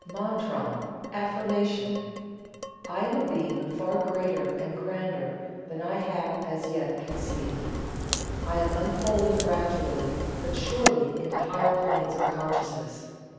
MANTRAM (AFFIRMATION.) I Am a Being far greater and grander than I have as yet conceived. I am unfolding gradually but surely into higher planes of consciousness.